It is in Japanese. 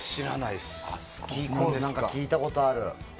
でも聞いたことある。